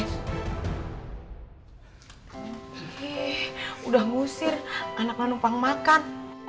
eh udah ngusir anaknya numpang makan